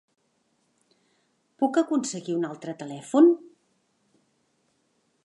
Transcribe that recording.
Puc aconseguir un altre telèfon?